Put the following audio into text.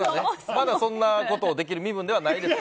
まだそんなことできる身分ではないです。